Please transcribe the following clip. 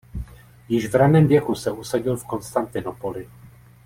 Již v raném věku se usadil v Konstantinopoli.